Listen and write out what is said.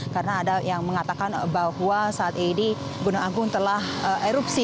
karena ada yang mengatakan bahwa saat ini gunung agung telah erupsi